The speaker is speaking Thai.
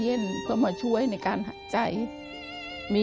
ทำงานชื่อนางหยาดฝนภูมิสุขอายุ๕๔ปี